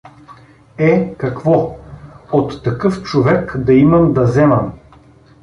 — Е, какво… от такъв човек да имам да земам.